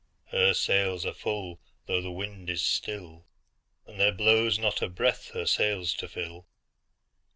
Her sails are full,—though the wind is still, And there blows not a breath her sails to fill!